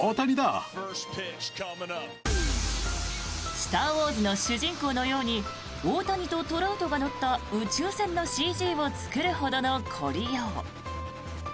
「スター・ウォーズ」の主人公のように大谷とトラウトが乗った宇宙船のＣＧを作るほどの凝りよう。